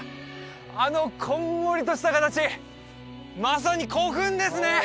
あのこんもりとした形まさに古墳ですね！